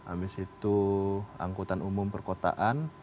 abis itu angkutan umum perkotaan